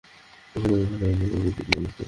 এর জন্য তোমার ধন্যবাদ জানানো উচিত মানিকমকে।